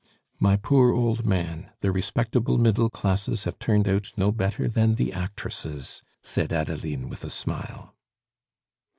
"My poor old man, the respectable middle classes have turned out no better than the actresses," said Adeline, with a smile.